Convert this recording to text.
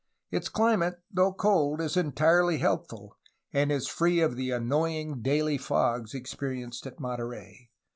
Its climate, though cold, is entirely healthful, and is free from the annoying daily fogs experienced at Monterey.